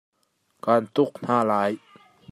Kaan tuk hna lai.